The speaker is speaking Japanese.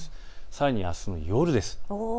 さらにあすの夜です。